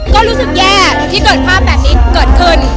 ก็รู้สึกแย่ที่เกิดภาพแบบนี้เกิดขึ้น